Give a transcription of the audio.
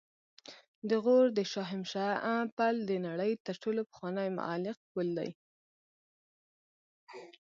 د غور د شاهمشه پل د نړۍ تر ټولو پخوانی معلق پل و